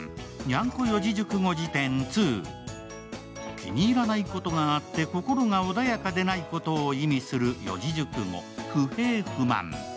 気に入らないことがあって心が穏やかでないことを意味する四字熟語「不平不満」。